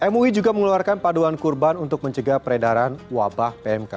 mui juga mengeluarkan paduan kurban untuk mencegah peredaran wabah pmk